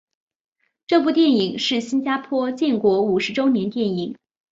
这部电影是新加坡建国五十周年电影。